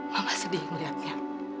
mama sedih melihatnya